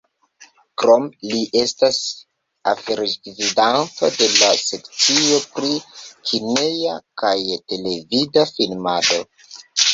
Krome li estas afergvidanto de la sekcio pri kineja kaj televida filmado.